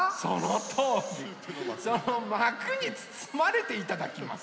そのまくにつつまれていただきます。